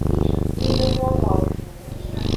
— Лӱдын омыл...